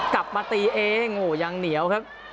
กลับมาก้อเตียงอย่างเหนียว